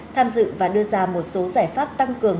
tham dự và đưa ra một số giải pháp tăng cường